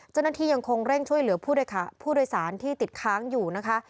เจ้าหน้าที่ยังคงเร่งช่วยเหลือผู้โดยสารที่ติดค้างอยู่นะคะ